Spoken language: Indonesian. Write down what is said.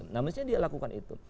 nah mestinya dia lakukan itu